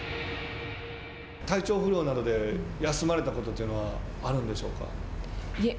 体調不良などで休まれたことはあるんでしょうか。